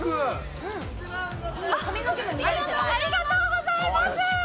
ありがとうございます。